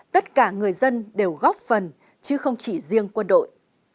tất cả người dân đều góp phần chứ không chỉ riêng quân đội